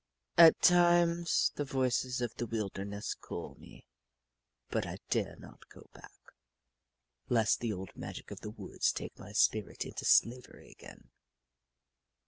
At times, the voices of the wilderness call me, but I dare not go back, lest the old magic of the woods take my spirit into slavery again.